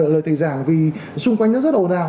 lời thầy giảng vì xung quanh nó rất ồn ào